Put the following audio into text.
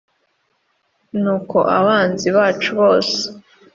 nuko abanzi bacu bose